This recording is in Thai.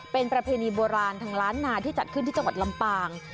เป็นประเพณีโบราณทางล้านนาที่จัดขึ้นที่จังหวัดลำปาง